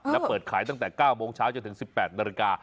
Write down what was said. และเปิดขายตั้งแต่๙โมงเช้าจนถึง๑๘นาฬิกา